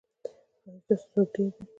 ایا ستاسو ځواک ډیر دی؟